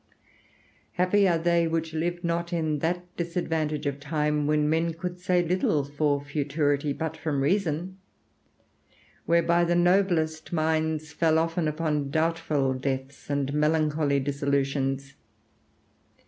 Happy are they which live not in that disadvantage of time, when men could say little for futurity but from reason; whereby the noblest minds fell often upon doubtful deaths and melancholy dissolutions.